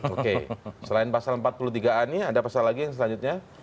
oke selain pasal empat puluh tiga a ini ada pasal lagi yang selanjutnya